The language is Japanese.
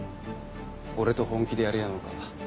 俺と本気でやり合うのか